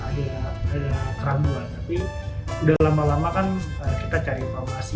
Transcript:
tapi udah lama lama kan kita cari informasi